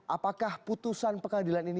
apakah putusan pengadilan ini